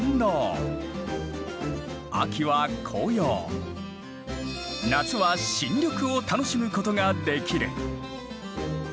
秋は紅葉夏は新緑を楽しむことができる。